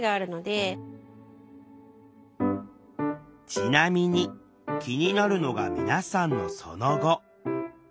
ちなみに気になるのが皆さんのその後。